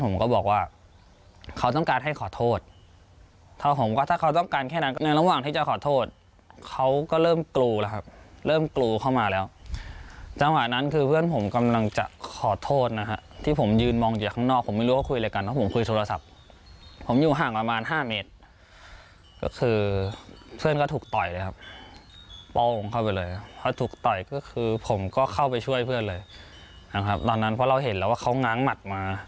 ๖มีการทำสินค้าที่สุดเกิดขึ้นเวลา๖๗นาทีก็ไม่ได้หาแผงของเขา๗๗นาทีก็ไม่ได้หาแผงของเขา